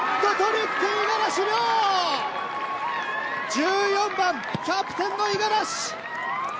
１４番、キャプテンの五十嵐！